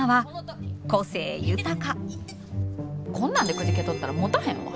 こんなんでくじけとったらもたへんわ。